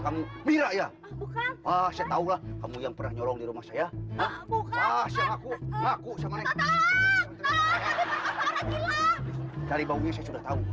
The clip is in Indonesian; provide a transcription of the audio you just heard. kamu pira ya ah saya tahu kamu yang pernah nyorong di rumah saya ah ah saya ngaku ngaku